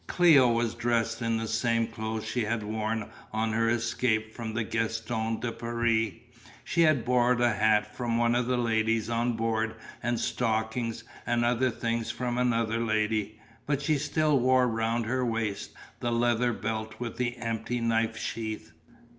Cléo was dressed in the same clothes she had worn on her escape from the Gaston de Paris. She had borrowed a hat from one of the ladies on board and stockings and other things from another lady; but she still wore round her waist the leather belt with the empty knife sheath.